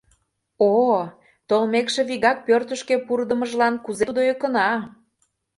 О, толмекше вигак пӧртышкӧ пурыдымыжлан кузе тудо ӧкына.